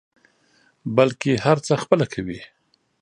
بلکې هر څه خپله کوي.